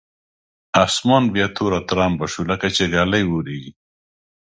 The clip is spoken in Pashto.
اسمان بیا توره ترامبه شو لکچې ږلۍ اورېږي.